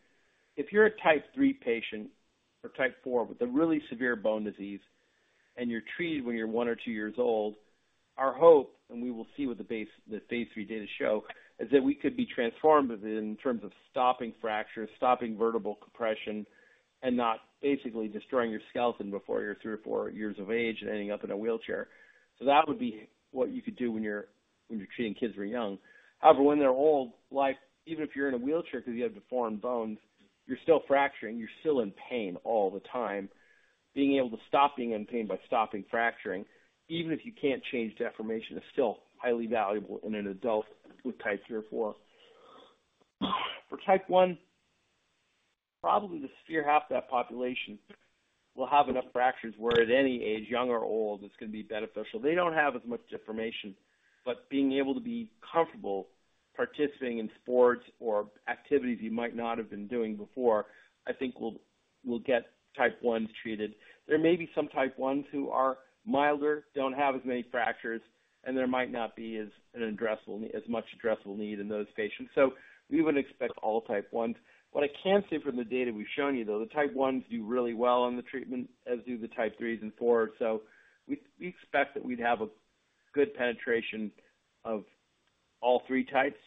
If you're a Type three patient or Type four with a really severe bone disease, and you're treated when you're one or two years old, our hope, and we will see what the phase III data show, is that we could be transformed in terms of stopping fractures, stopping vertebral compression, and not basically destroying your skeleton before you're 3 or 4 years of age and ending up in a wheelchair. So that would be what you could do when you're treating kids very young. However, when they're old, like, even if you're in a wheelchair because you have deformed bones, you're still fracturing, you're still in pain all the time. Being able to stop being in pain by stopping fracturing, even if you can't change deformation, is still highly valuable in an adult with Type three or four. For Type one, probably the severe half of that population will have enough fractures where at any age, young or old, it's gonna be beneficial. They don't have as much deformation, but being able to be comfortable participating in sports or activities you might not have been doing before, I think will, will get Type one's treated. There may be some Type one's who are milder, don't have as many fractures, and there might not be as an addressable, as much addressable need in those patients, so we wouldn't expect all Type one's. What I can say from the data we've shown you, though, the Type one's do really well on the treatment, as do the Type three's and four's. We expect that we'd have a good penetration of all three types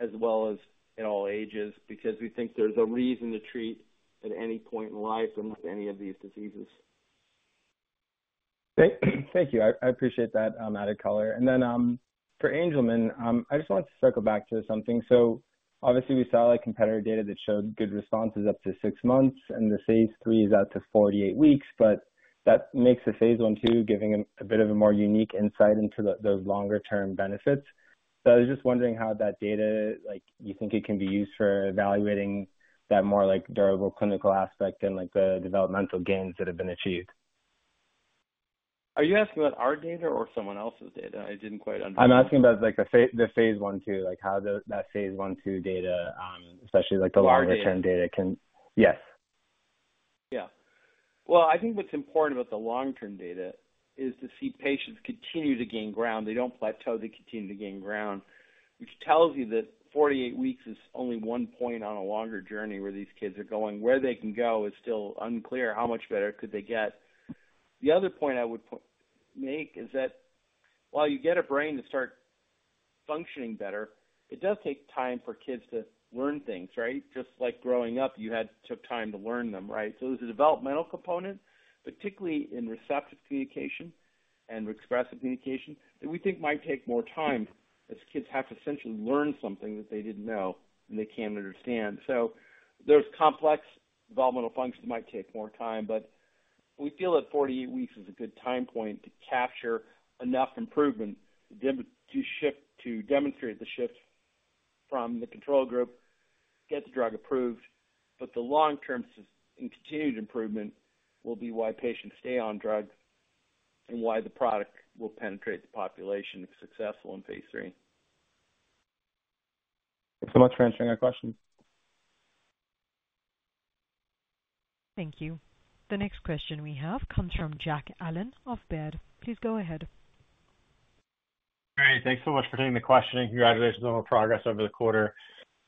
as well as in all ages, because we think there's a reason to treat at any point in life with any of these diseases. Thank you. I appreciate that added color. And then, for Angelman, I just wanted to circle back to something. So obviously we saw, like, competitor data that showed good responses up to six months, and the phase III is out to 48 weeks, but that makes the phase I, II, giving a bit of a more unique insight into the longer term benefits. So I was just wondering how that data, like, you think it can be used for evaluating that more, like, durable clinical aspect and like, the developmental gains that have been achieved? Are you asking about our data or someone else's data? I didn't quite understand. I'm asking about, like, the phase I/II, like, how the, that phase I/II data, especially, like the- Our data. longer-term data can... Yes. Yeah. Well, I think what's important about the long-term data is to see patients continue to gain ground. They don't plateau, they continue to gain ground, which tells you that 48 weeks is only one point on a longer journey where these kids are going. Where they can go is still unclear. How much better could they get? The other point I would make is that while you get a brain to start functioning better, it does take time for kids to learn things, right? Just like growing up, you had, took time to learn them, right? So there's a developmental component, particularly in receptive communication and expressive communication, that we think might take more time, as kids have to essentially learn something that they didn't know and they can't understand. So those complex developmental functions might take more time, but we feel that 48 weeks is a good time point to capture enough improvement, to shift, to demonstrate the shift from the control group, get the drug approved. But the long-term and continued improvement will be why patients stay on drug and why the product will penetrate the population if successful in phase III. Thanks so much for answering our question. Thank you. The next question we have comes from Jack Allen of Baird. Please go ahead. Great. Thanks so much for taking the question, and congratulations on the progress over the quarter.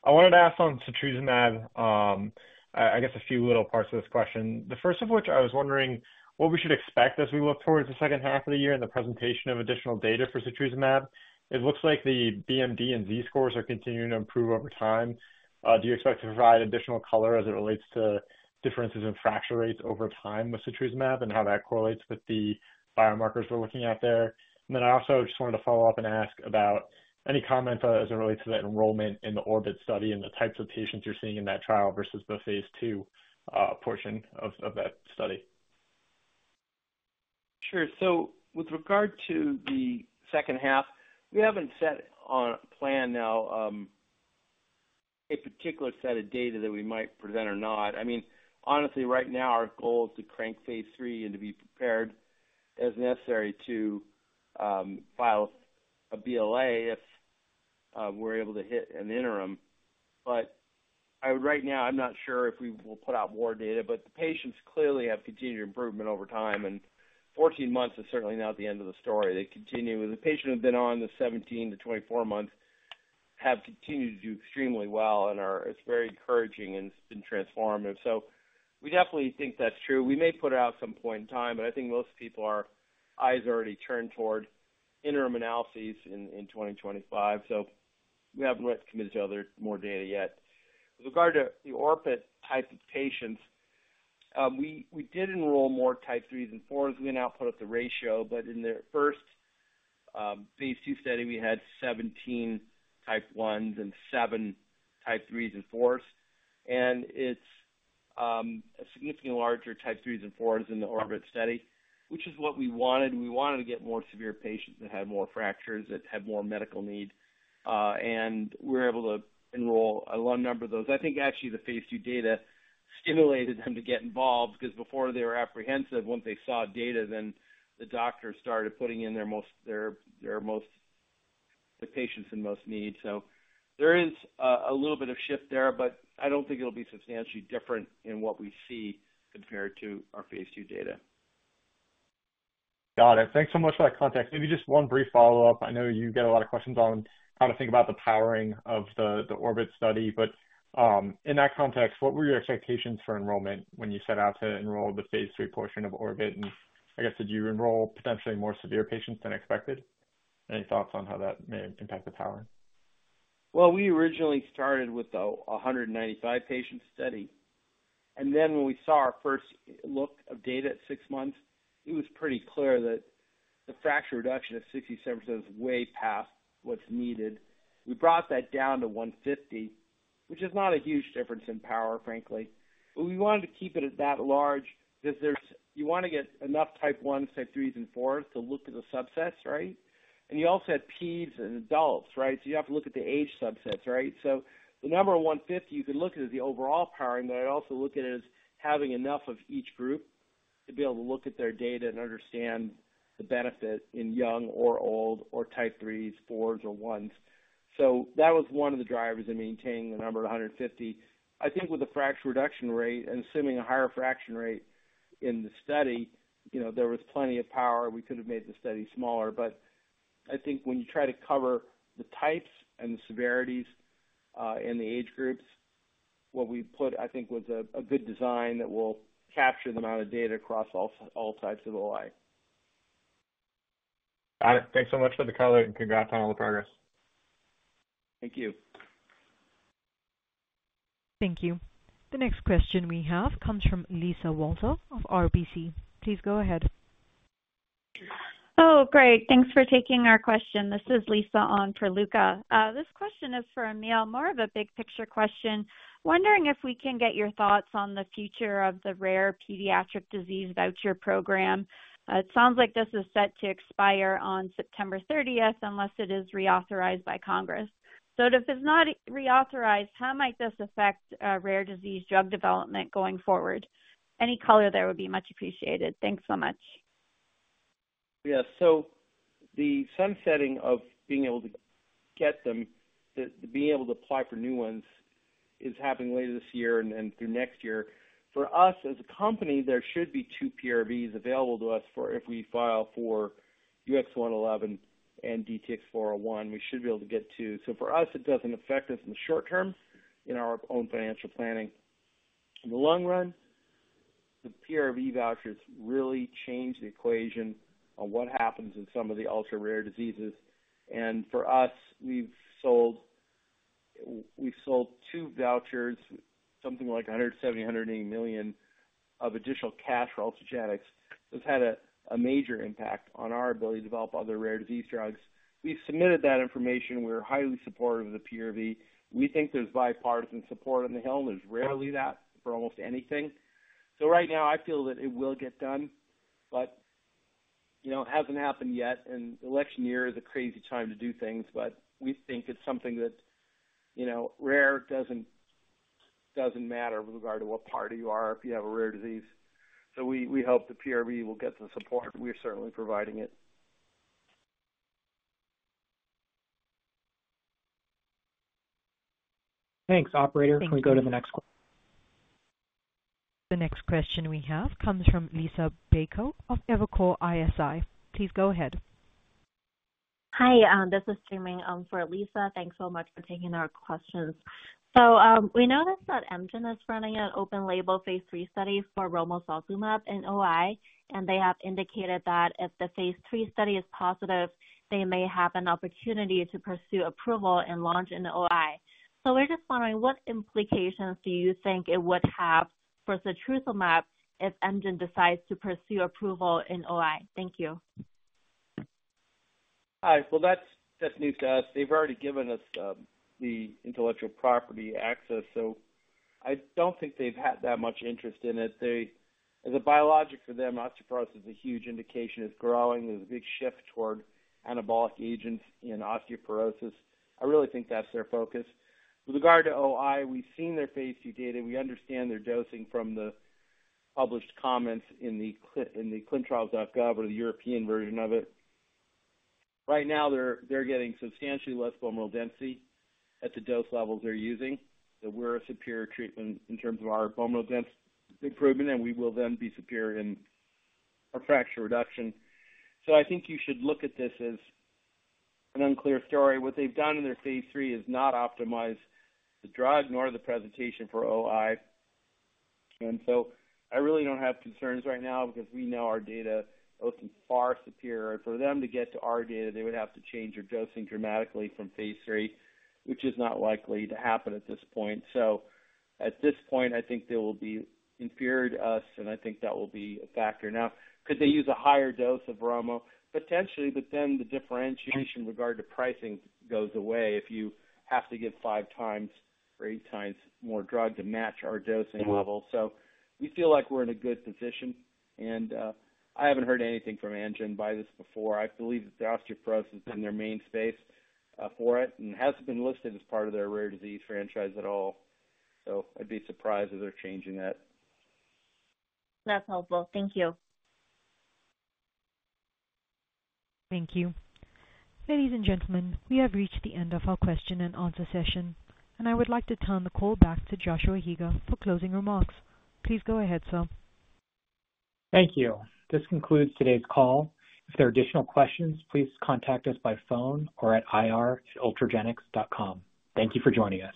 I wanted to ask on setrusumab. I guess a few little parts to this question. The first of which I was wondering what we should expect as we look towards the second half of the year and the presentation of additional data for setrusumab. It looks like the BMD and Z-scores are continuing to improve over time. Do you expect to provide additional color as it relates to differences in fracture rates over time with setrusumab and how that correlates with the biomarkers we're looking at there? And then I also just wanted to follow up and ask about any comments as it relates to that enrollment in the ORBIT study and the types of patients you're seeing in that trial versus the phase two portion of that study.... Sure. So with regard to the second half, we haven't set on a plan now, a particular set of data that we might present or not. I mean, honestly, right now, our goal is to crank phase III and to be prepared as necessary to file a BLA if we're able to hit an interim. But I, right now, I'm not sure if we will put out more data, but the patients clearly have continued improvement over time, and 14 months is certainly not the end of the story. They continue. The patients have been on the 17-24 months, have continued to do extremely well and are—it's very encouraging and it's been transformative. So we definitely think that's true. We may put it out at some point in time, but I think most people, our eyes are already turned toward interim analyses in 2025, so we haven't committed to other more data yet. With regard to the ORBIT type of patients, we did enroll more type three's and four's. We now put up the ratio, but in the first phase II study, we had 17 type one's and seven type three's and four's. And it's a significantly larger type three's and four's in the ORBIT study, which is what we wanted. We wanted to get more severe patients that had more fractures, that had more medical need, and we were able to enroll a lot number of those. I think actually the phase II data stimulated them to get involved because before they were apprehensive. Once they saw data, then the doctors started putting in the patients in most need. So there is a little bit of shift there, but I don't think it'll be substantially different in what we see compared to our phase II data. Got it. Thanks so much for that context. Maybe just one brief follow-up. I know you get a lot of questions on how to think about the powering of the Orbit study, but in that context, what were your expectations for enrollment when you set out to enroll the phase III portion of Orbit? And I guess, did you enroll potentially more severe patients than expected? Any thoughts on how that may impact the power? Well, we originally started with a 195-patient study, and then when we saw our first look of data at 6 months, it was pretty clear that the fracture reduction of 67% is way past what's needed. We brought that down to 150, which is not a huge difference in power, frankly, but we wanted to keep it at that large because there's... You want to get enough type ones, type threes and fours to look at the subsets, right? And you also had peds and adults, right? So you have to look at the age subsets, right? So the number 150, you could look at as the overall powering, but I also look at it as having enough of each group to be able to look at their data and understand the benefit in young or old, or type threes, fours, or ones. So that was one of the drivers in maintaining the number 150. I think with the fracture reduction rate and assuming a higher fraction rate in the study, you know, there was plenty of power. We could have made the study smaller, but I think when you try to cover the types and the severities, and the age groups, what we put, I think, was a good design that will capture the amount of data across all, all types of OI. Got it. Thanks so much for the color, and congrats on all the progress. Thank you. Thank you. The next question we have comes from Lisa Walter of RBC. Please go ahead. Oh, great. Thanks for taking our question. This is Lisa on for Luca. This question is for Emil. More of a big picture question. Wondering if we can get your thoughts on the future of the rare pediatric disease voucher program. It sounds like this is set to expire on September 13, unless it is reauthorized by Congress. So if it's not reauthorized, how might this affect rare disease drug development going forward? Any color there would be much appreciated. Thanks so much. Yes. So the sunsetting of being able to get them to be able to apply for new ones is happening later this year and through next year. For us, as a company, there should be two PRVs available to us for if we file for UX111 and DTX401, we should be able to get two. So for us, it doesn't affect us in the short term, in our own financial planning. In the long run, the PRV vouchers really change the equation on what happens in some of the ultra-rare diseases. And for us, we've sold two vouchers, something like $170-$180 million of additional cash for Ultragenyx. This had a major impact on our ability to develop other rare disease drugs. We've submitted that information. We're highly supportive of the PRV. We think there's bipartisan support on the Hill, and there's rarely that for almost anything. So right now I feel that it will get done, but, you know, it hasn't happened yet, and election year is a crazy time to do things, but we think it's something that, you know, rare doesn't, doesn't matter with regard to what party you are, if you have a rare disease. So we, we hope the PRV will get the support. We are certainly providing it. Thanks, operator. Thank you. Can we go to the next question? The next question we have comes from Liisa Bayko of Evercore ISI. Please go ahead. Hi, this is Sreeni for Lisa. Thanks so much for taking our questions. So, we noticed that Amgen is running an open label phase III study for Romosozumab in OI, and they have indicated that if the phase III study is positive, they may have an opportunity to pursue approval and launch in the OI. So we're just wondering, what implications do you think it would have for setrusumab if Amgen decides to pursue approval in OI? Thank you.... Hi. Well, that's news to us. They've already given us the intellectual property access, so I don't think they've had that much interest in it. They, as a biologic for them, osteoporosis is a huge indication. It's growing. There's a big shift toward anabolic agents in osteoporosis. I really think that's their focus. With regard to OI, we've seen their phase II data. We understand their dosing from the published comments in the ClinicalTrials.gov or the European version of it. Right now, they're getting substantially less bone mineral density at the dose levels they're using. So we're a superior treatment in terms of our bone mineral density improvement, and we will then be superior in our fracture reduction. So I think you should look at this as an unclear story. What they've done in their phase III is not optimize the drug nor the presentation for OI. So I really don't have concerns right now because we know our data looks far superior. For them to get to our data, they would have to change their dosing dramatically from phase III, which is not likely to happen at this point. So at this point, I think they will be inferior to us, and I think that will be a factor. Now, could they use a higher dose of romo? Potentially, but then the differentiation regard to pricing goes away if you have to give five times or eight times more drug to match our dosing level. So we feel like we're in a good position, and I haven't heard anything from Amgen about this before. I believe that the osteoporosis is in their main space, for it, and hasn't been listed as part of their rare disease franchise at all. So I'd be surprised if they're changing that. That's helpful. Thank you. Thank you. Ladies and gentlemen, we have reached the end of our question and answer session, and I would like to turn the call back to Joshua Higa for closing remarks. Please go ahead, sir. Thank you. This concludes today's call. If there are additional questions, please contact us by phone or at ir@ultragenyx.com. Thank you for joining us.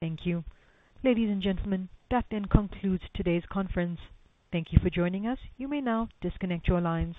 Thank you. Ladies and gentlemen, that then concludes today's conference. Thank you for joining us. You may now disconnect your lines.